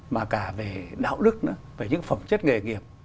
mà cả về đạo đức nữa về những phẩm chất nghề nghiệp